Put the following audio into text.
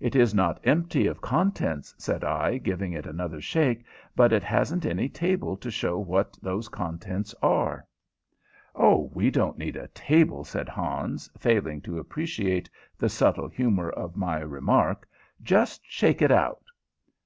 "It is not empty of contents," said I, giving it another shake, "but it hasn't any table to show what those contents are." "Oh, we don't need a table," said Hans, failing to appreciate the subtle humor of my remark. "Just shake it out."